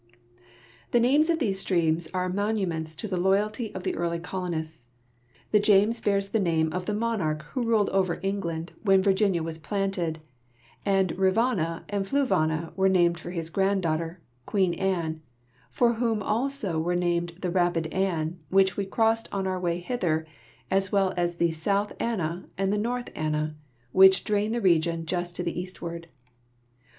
The names of these streams are monuments to the loyalty of the early colonists. The James bears the name of the monarch ALBEMARLE IN REVOLUTIONARY DA YS 273 wlio ruled over England when Virginia was planted, and Rivanna and Fluvanna were named for his granddaughter, Queen Anne, for whom also were named the Rapid Anne, which we crossed on our way hither, as well as the South Anna and the North Anna, which drain the region just to the eastward.